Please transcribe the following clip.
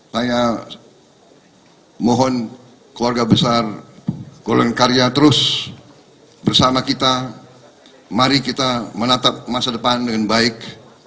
saya mohon keluarga besar golongan karya terus bersama kita mari kita menatap masa depan dengan baik